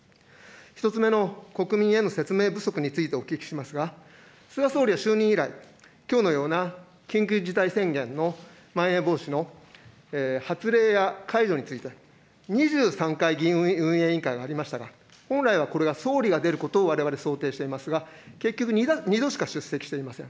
１つ目の国民への説明不足についてお聞きしますが、菅総理は就任以来、きょうのような緊急事態宣言、まん延防止の発令や解除について、２３回議院運営委員会がありましたが、本来はこれは総理が出ることをわれわれ想定していますが、結局、２度しか出席していません。